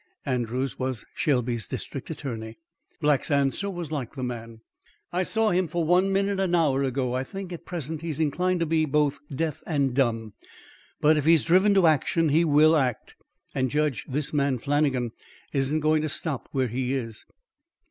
Andrews was Shelby's District Attorney. Black's answer was like the man. "I saw him for one minute an hour ago. I think, at present, he is inclined to be both deaf and dumb, but if he's driven to action, he will act. And, judge, this man Flannagan isn't going to stop where he is."